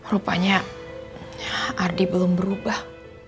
rupanya ardi belum berubah